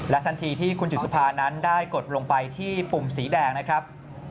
ทันทีที่คุณจิตสุภานั้นได้กดลงไปที่ปุ่มสีแดงนะครับ